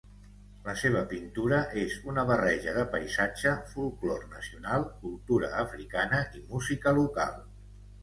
La seva pintura és una barreja de paisatge, folklore nacional, cultura africana i música local.